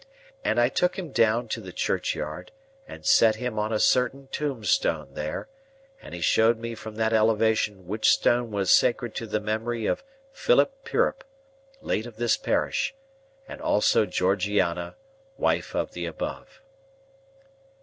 And I took him down to the churchyard, and set him on a certain tombstone there, and he showed me from that elevation which stone was sacred to the memory of Philip Pirrip, late of this Parish, and Also Georgiana, Wife of the Above.